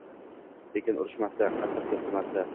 Lekin urishmasdi, qattiq gapirmasdi